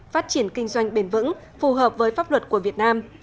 phát triển kinh doanh bền vững phù hợp với pháp luật của việt nam